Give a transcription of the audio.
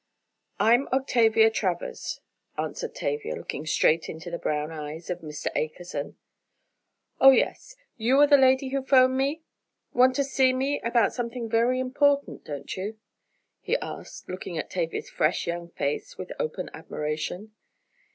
"I'm Octavia Travers," answered Tavia, looking straight into the brown eyes of Mr. Akerson. "Oh, yes, you are the lady who 'phoned me? Want to see me about something very important; don't you?" he asked, looking at Tavia's fresh young face with open admiration.